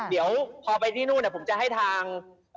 เดี๋ยวพอไปที่นู่นผมจะให้ทาง